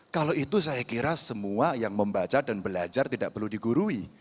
kalau itu saya kira semua yang membaca dan belajar tidak perlu digurui